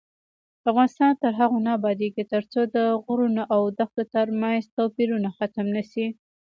افغانستان تر هغو نه ابادیږي، ترڅو د غرونو او دښتو ترمنځ توپیرونه ختم نشي.